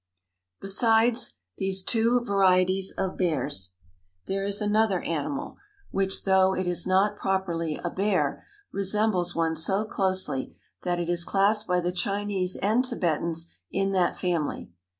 Besides these two varieties of bears, there is another animal, which, though it is not properly a bear, resembles one so closely that it is classed by the Chinese and Tibetans in that family.